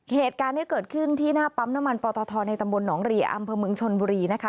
เหตุการณ์ที่เกิดขึ้นที่หน้าปั๊มน้ำมันปตทในตำบลหนองรีอำเภอเมืองชนบุรีนะคะ